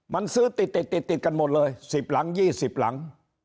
มันซื้อติดกันหมดเลย๑๐หลัง๒๐หลัง